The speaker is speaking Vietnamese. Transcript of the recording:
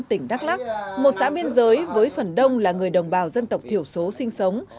tỉnh đắk lắc một xã biên giới với phần đông là người đồng bào dân tộc thiểu số sinh sống